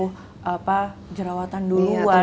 aku tinggi duluan aku jerawatan duluan